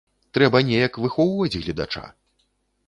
Трэба неяк выхоўваць гледача.